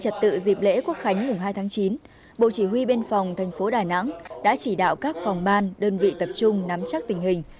trong dịp lễ quốc khánh hai tháng chín bộ chỉ huy bên phòng thành phố đài nẵng đã chỉ đạo các phòng ban đơn vị tập trung nắm chắc tình hình